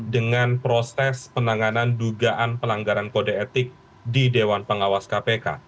dengan proses penanganan dugaan pelanggaran kode etik di dewan pengawas kpk